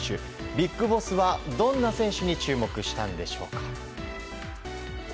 ビッグボスはどんな選手に注目したんでしょうか。